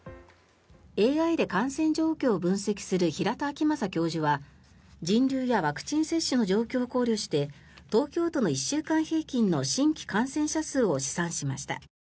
ＡＩで感染状況を分析する平田晃正教授は人流やワクチン接種の状況を考慮して東京都の１週間平均の新規感染者数を試算しました。